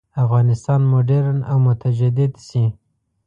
افغانستان مډرن او متجدد شي.